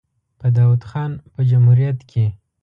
په داوود خان په جمهوریت کې.